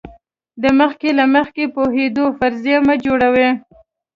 د مخکې له مخکې پوهېدو فرضیه مه جوړوئ.